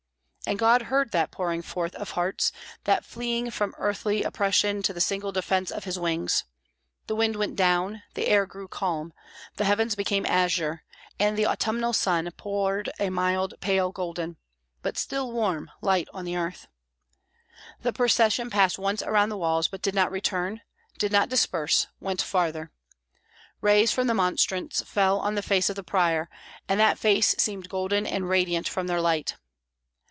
And God heard that pouring forth of hearts, that fleeing from earthly oppression to the single defence of His wings. The wind went down, the air grew calm, the heavens became azure, and the autumnal sun poured a mild pale golden, but still warm, light on the earth. The procession passed once around the walls, but did not return, did not disperse, went farther. Rays from the monstrance fell on the face of the prior, and that face seemed golden and radiant from their light.